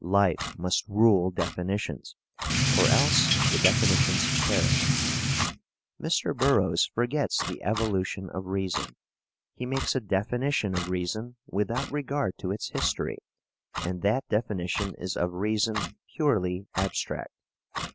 Life must rule definitions or else the definitions perish. Mr. Burroughs forgets the evolution of reason. He makes a definition of reason without regard to its history, and that definition is of reason purely abstract.